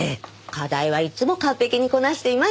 課題はいつも完璧にこなしていました。